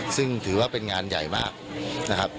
ซึ่งถือว่าเป็นงานใหญ่มากนะครับ